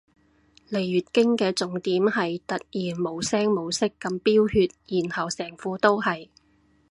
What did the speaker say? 嚟月經嘅重點係突然無聲無息噉飆血然後成褲都係